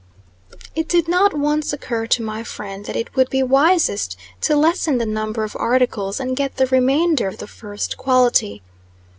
It did not once occur to my friend, that it would be wisest to lessen the number of articles, and get the remainder of the first quality.